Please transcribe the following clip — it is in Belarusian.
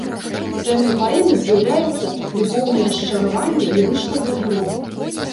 Тэмай паэмы з'яўляецца любоўнае расчараванне лірычнага героя.